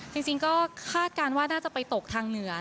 จริงก็คาดการณ์ว่าน่าจะไปตกทางเหนือ